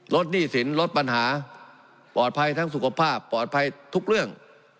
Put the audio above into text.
หนี้สินลดปัญหาปลอดภัยทั้งสุขภาพปลอดภัยทุกเรื่อง